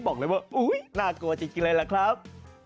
บอกเลยปุ๊บน่ากลัวจริงไงละครับ